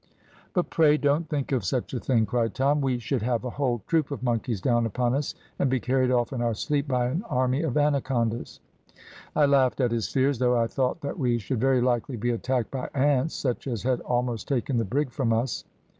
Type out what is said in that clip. "`But pray don't think of such a thing,' cried Tom; `we should have a whole troop of monkeys down upon us, and be carried off in our sleep by an army of anacondas.' "I laughed at his fears, though I thought that we should very likely be attacked by ants, such as had almost taken the brig from us.